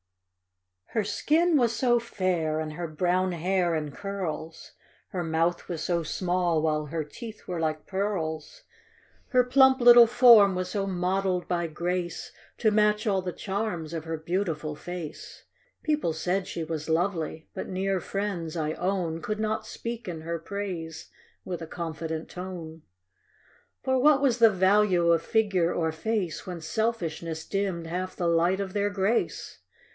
H ER skin was so fair, and her brown hair in curls, Her mouth was so small, while her teeth were like pearls ; Her plump little form was so modelled by grace, To match all the charms of her beautiful face, People said she was lovely; but near friends, I own, Could not speak in her praise with a confident tone. For what was the value of figure or face, When selfishness dimmed half the light of their grace